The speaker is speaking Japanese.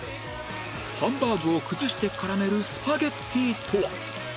ハンバーグを崩して絡めるスパゲッティとは？